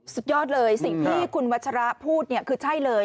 สุดยอดเลยสิ่งที่คุณวัชระพูดเนี่ยคือใช่เลย